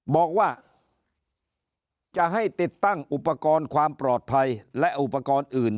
บอกว่าจะให้ติดตั้งอุปกรณ์ความปลอดภัยและอุปกรณ์อื่น